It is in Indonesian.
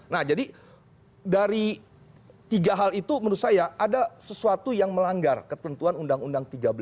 nah jadi dari tiga hal itu menurut saya ada sesuatu yang melanggar ketentuan undang undang tiga belas